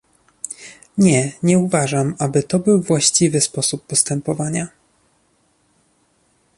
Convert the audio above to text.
Nie, nie uważam, aby to był właściwy sposób postępowania